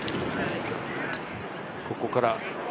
ここから。